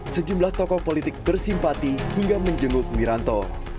sejumlah tokoh politik bersimpati hingga menjenguk wiranto